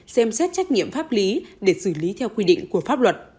xem xét trách nhiệm pháp lý để xử lý theo quy định của pháp luật